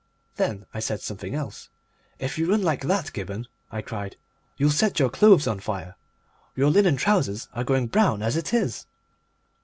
Then I said something else. "If you run like that, Gibberne," I cried, "you'll set your clothes on fire. Your linen trousers are going brown as it is!"